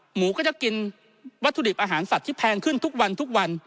หมูก็จะกินวัตถุดิบอาหารสัตว์ที่แพงขึ้นทุกวันทุกวัน